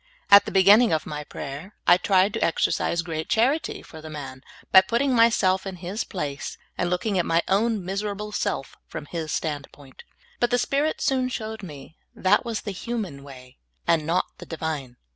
At the beginning of my prayer, I tried to exercise great charity for the man by putting myself in his place, and looking at my own miserable self from his standpoint. But the Spirit soon showed me that was the human w^ay, and not the Divine.